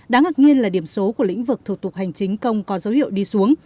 đáng ngạc nhiên là điểm số của lĩnh vực thủ tục hành chính công có dấu hiệu đi xuống